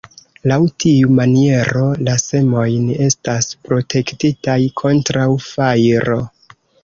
Laŭ tiu maniero, la semojn estas protektitaj kontraŭ fajro.